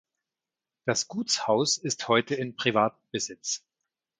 Das Gutshaus ist heute in Privatbesitz.